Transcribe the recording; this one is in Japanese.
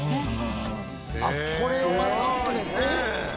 「あっこれをまずは詰めて」